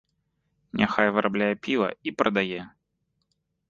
Няхай вырабляе піва і прадае!